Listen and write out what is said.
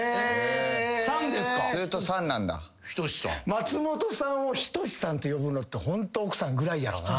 松本さんを「人志さん」って呼ぶのってホント奥さんぐらいやろうな。